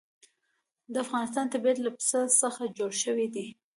د افغانستان طبیعت له پسه څخه جوړ شوی دی.